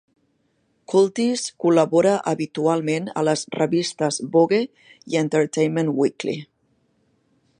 Cultice col·labora habitualment a les revistes Vogue i Entertainment Weekly.